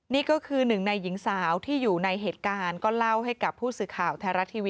นี่ก็คือหนึ่งนะหญิงสาวที่อยู่ในเหตุการณ์ก็เล่าให้กับผู้สึกข่าว